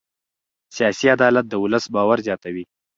سیاسي عدالت د ولس باور زیاتوي